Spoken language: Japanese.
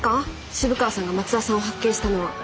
渋川さんが松田さんを発見したのは。